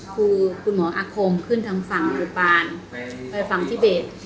คือคุณหมออาโคมขึ้นทั้งฝั่งอุปาลฝั่งทิเบส